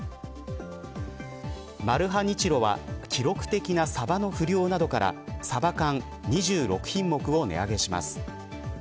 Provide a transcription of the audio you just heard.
マルハニチロは記録的なサバの不漁などからサバ缶２６品目を値上げします。